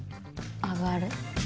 上がる？